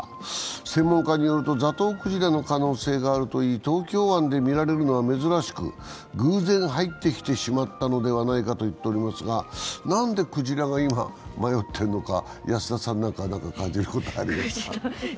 専門家によると、ザトウクジラの可能性があるといい、東京湾で見られるのは珍しく偶然入ってきてしまったのではないかと言っておりますが、なんでクジラが今、迷っているのか安田さん、何か感じることはありますか？